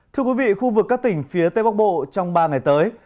thưa quý vị khu vực các tỉnh phía tây bắc bộ trong ba ngày tới